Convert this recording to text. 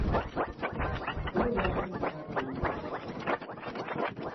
Был яҡшы сифтлы итек